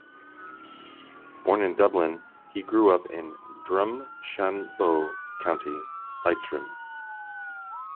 Born in Dublin, he grew up in Drumshanbo, County Leitrim.